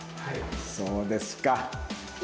そうですか。